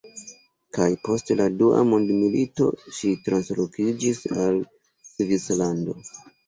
Kaj post la dua mondmilito, ŝi translokiĝis al Svislando.